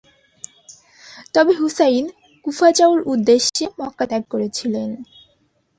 তবে Hussain Kufa যাওয়ার উদ্দেশ্যে মক্কা ত্যাগ করেছিলেন।